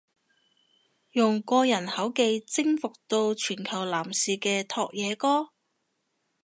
用過人口技征服到全球男士嘅拓也哥！？